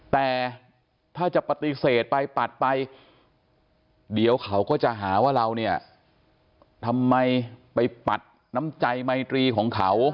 แต่ถ้าจะปฏิเสธไปปัดไปเดี๋ยวเขาก็จะหาว่าเราเนี่ยทำไมไปปัดน้ำใจไมตรีของเขา